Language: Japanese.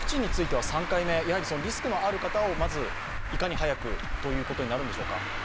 ワクチンについては３回目リスクのある方をまずいかに早くということになるのでしょうか？